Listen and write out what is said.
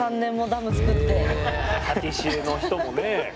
パティシエの人もね。